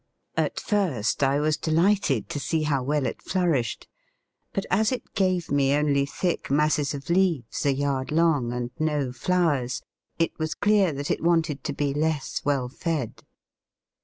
At first I was delighted to see how well it flourished, but as it gave me only thick masses of leaves a yard long, and no flowers, it was clear that it wanted to be less well fed.